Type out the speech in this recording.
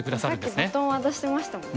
さっきバトン渡してましたもんね。